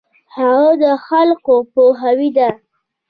هغه د خلکو پوهاوی دی.